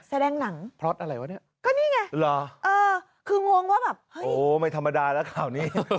แสดงหนังก็นี่ไงคืองงว่าแบบโอ้ไม่ธรรมดาแล้วข่าวนี้